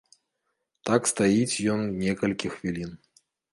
Так стаіць ён некалькі хвілін.